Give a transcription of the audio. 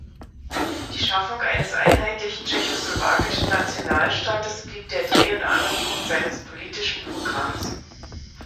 Die Schaffung eines einheitlichen tschechoslowakischen Nationalstaates blieb der Dreh- und Angelpunkt seines politischen Programms.